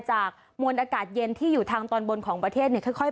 ฮัลโหลฮัลโหลฮัลโหลฮัลโหลฮัลโหล